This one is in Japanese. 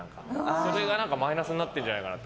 それがマイナスになってるんじゃないかって。